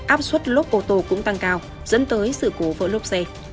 áp suất lốp ô tô cũng tăng cao dẫn tới sự cố vỡ lốp xe